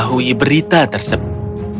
dan mengetahui berita tersebut